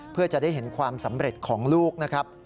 เพื่อจะได้เห็นความสำเร็จของลูกนะครับ